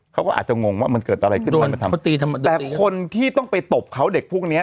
เขาก็อาจจะงงว่ามันเกิดอะไรขึ้นทำไมแต่คนที่ต้องไปตบเขาเด็กพวกเนี้ย